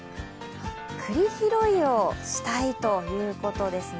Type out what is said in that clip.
くり拾いをしたいということですね。